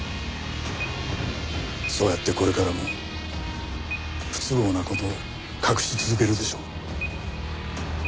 そうやってこれからも不都合な事を隠し続けるでしょう。